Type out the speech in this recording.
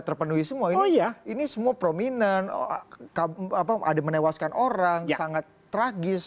terpenuhi semua ini iya ini semua prominent ada menewaskan orang sangat tragis